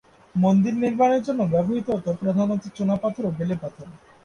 মন্দির নির্মাণের জন্য ব্যবহৃত হত প্রধানত চুনাপাথর ও বেলেপাথর।